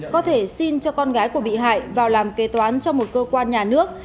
có thể xin cho con gái của bị hại vào làm kế toán cho một cơ quan nhà nước